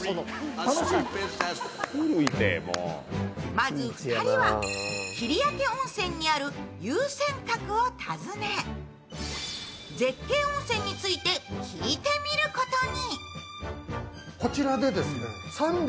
まず２人は切明温泉にある雄川閣を訪ね、絶景温泉について、聞いてみることに。